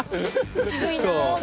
渋いなあ。